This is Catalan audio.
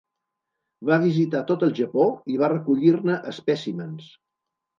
Va visitar tot el Japó i va recollir-ne espècimens.